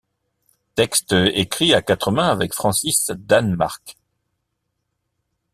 Textes écrits à quatre mains avec Francis Dannemark.